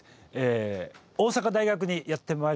大阪大学にやって参りました。